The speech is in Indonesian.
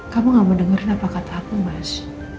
kamu gak mau dengerin apa kata aku mas